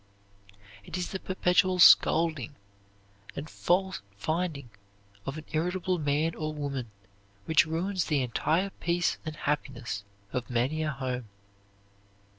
It is the perpetual scolding and fault finding of an irritable man or woman which ruins the entire peace and happiness of many a home.